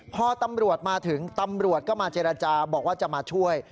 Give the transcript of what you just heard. พอตำรวจมาถึงตำรวจก็มาเจรจาบอกว่าจะมาช่วย